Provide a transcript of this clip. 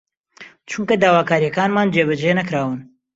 چونکە داواکارییەکانمان جێبەجێ نەکراون